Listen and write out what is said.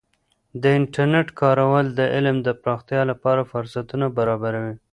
د انټرنیټ کارول د علم د پراختیا لپاره فرصتونه برابروي.